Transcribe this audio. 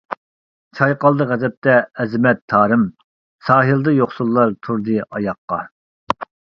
چايقالدى غەزەپتە ئەزىمەت تارىم، ساھىلدا يوقسۇللار تۇردى ئاياغقا.